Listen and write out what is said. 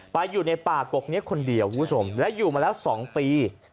ไปอยู่ในป่ากกนี้คนเดียวและอยู่มาแล้ว๒ปี